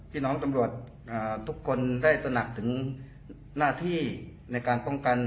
พี่น้องตำรวจทุกคนได้ตระหนักถึงหน้าที่ในการป้องกัน